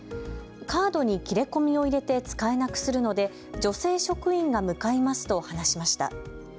カードに切れ込みを入れて使えなくするので女性職員が向かいますと話しました。